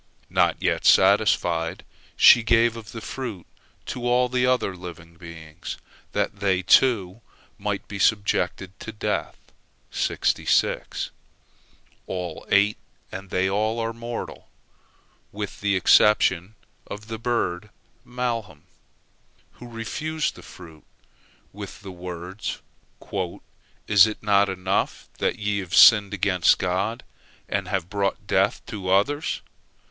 Not yet satisfied, she gave of the fruit to all other living beings, that they, too, might be subject to death. All ate, and they all are mortal, with the exception of the bird malham, who refused the fruit, with the words: "Is it not enough that ye have sinned against God, and have brought death to others?